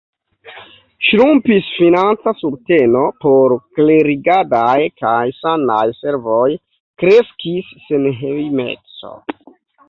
Ŝrumpis financa subteno por klerigadaj kaj sanaj servoj; kreskis senhejmeco.